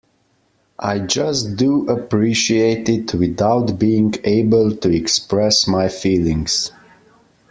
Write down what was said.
I just do appreciate it without being able to express my feelings.